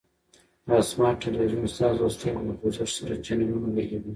دا سمارټ تلویزیون ستاسو د سترګو په خوځښت سره چینلونه بدلوي.